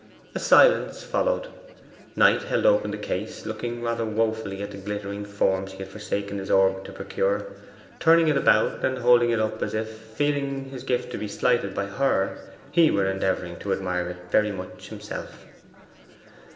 A silence followed. Knight held the open case, looking rather wofully at the glittering forms he had forsaken his orbit to procure; turning it about and holding it up as if, feeling his gift to be slighted by her, he were endeavouring to admire it very much himself.